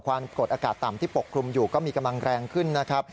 ความกดอากาศต่ำที่ปกคลุมอยู่ก็มีกำลังแรงขึ้นนะครับ